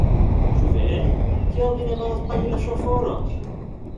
Ĉu vere? Kial vi ne volas pagi la ŝoforon?